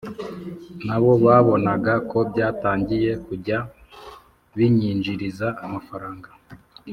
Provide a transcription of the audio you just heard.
na bo babonaga ko byatangiye kujya binyinjiriza amafaranga